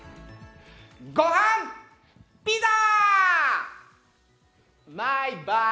ごはんピザ！